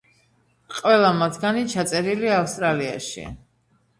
ყველა მათგანი ჩაწერილია ავსტრალიაში.